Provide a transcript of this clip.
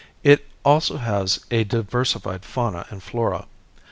It also has a diversified fauna and flora.